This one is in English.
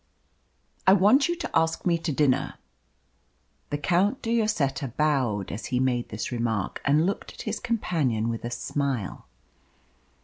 "I want you to ask me to dinner!" The Count de Lloseta bowed as he made this remark, and looked at his companion with a smile.